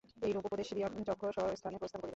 এইরূপ উপদেশ দিয়া যক্ষ স্বস্থানে প্রস্থান করিল।